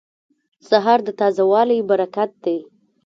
سهار د تازه والي برکت دی.